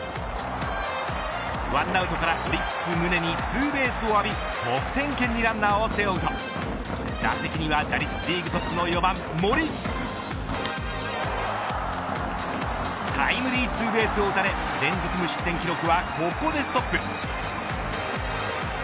１アウトから、オリックス宗にツーベースを浴び得点圏にランナーを背負うと打席には打率リーグトップの連続無失点記録はここでストップ。